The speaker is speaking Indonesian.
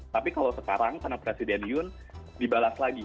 tapi kalau sekarang karena presiden yun dibalas lagi